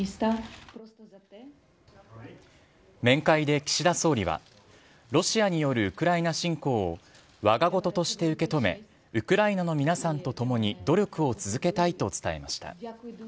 面会で岸田総理は、ロシアによるウクライナ侵攻を我が事として受け止め、ウクライナの皆さんと共に努力を続けたいと伝えました。